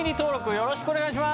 よろしくお願いします！